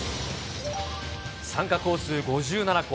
参加校数５７校。